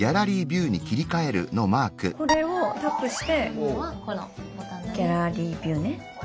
これをタップして「ギャラリービュー」ね。